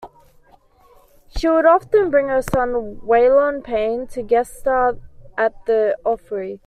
She would often bring her son Waylon Payne to guest star at the Opry.